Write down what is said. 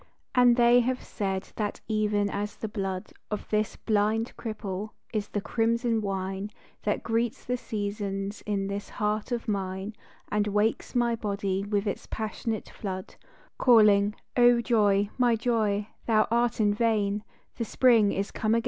And they have said that even as the blood Of this blind cripple is the crimson wine That greets the seasons in this heart of mine And wakes my body with its passionate flood, Calling, "Oh joy, my joy, thou art in vain, The spring is come again